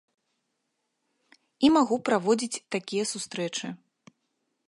І магу праводзіць такія сустрэчы.